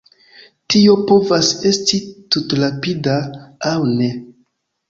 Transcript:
Tio povas esti tutrapida, aŭ ne.